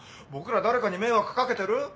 僕ら誰かに迷惑掛けてる？